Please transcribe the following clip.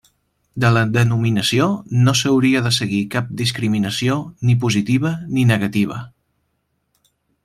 De la denominació no s'hauria de seguir cap discriminació ni positiva ni negativa.